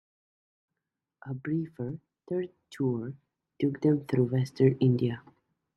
A briefer third tour took them through western India.